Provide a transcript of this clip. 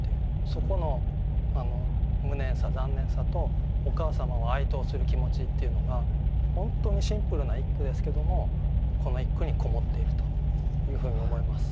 そこの無念さ残念さとお母様を哀悼する気持ちっていうのが本当にシンプルな一句ですけどもこの一句にこもっているというふうに思います。